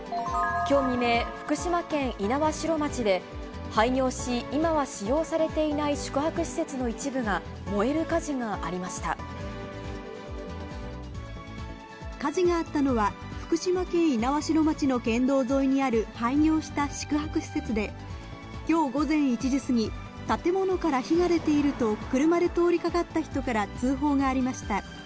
きょう未明、福島県猪苗代町で廃業し、今は使用されていない宿泊施設の一部が火事があったのは、福島県猪苗代町の県道沿いにある廃業した宿泊施設で、きょう午前１時過ぎ、建物から火が出ていると、車で通りかかった人から通報がありました。